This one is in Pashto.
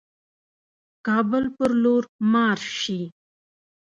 کابل پر لور مارش شي.